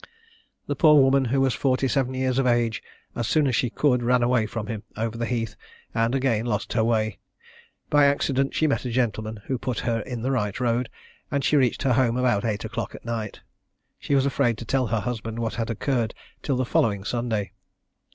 The poor woman, who was forty seven years of age, as soon as she could, ran away from him, over the heath, and again lost her way; by accident she met a gentleman, who put her in the right road, and she reached her home about eight o'clock at night. She was afraid to tell her husband what had occurred till the following Sunday.